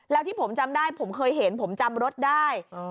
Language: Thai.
แล้วที่ผมจำได้ผมเคยเห็นผมจำรถได้